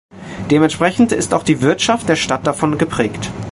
Dementsprechend ist auch die Wirtschaft der Stadt davon geprägt.